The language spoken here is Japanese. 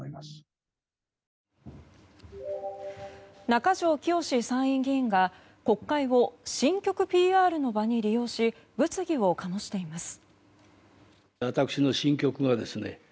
中条きよし参院議員が国会を新曲ＰＲの場に利用し物議を醸しています。